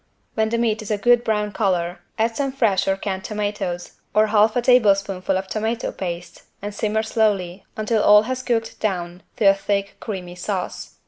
When the meat is a good brown color, add some fresh or canned tomatoes or half a tablespoonful of tomato paste and simmer slowly until all has cooked down to a thick creamy sauce.